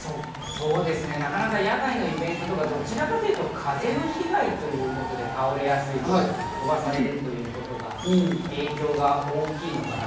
なかなか野外のイベント、どちらかというと風の被害ということで、倒れやすいとか飛ばされるということが影響が大きいのかな？